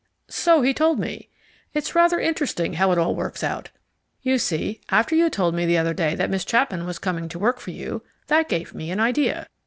"So he told me. It's rather interesting how it all works out. You see, after you told me the other day that Miss Chapman was coming to work for you, that gave me an idea.